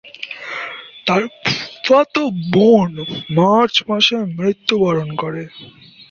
তার ফুফাতো বোন মার্চ মাসে মৃত্যুবরণ করে।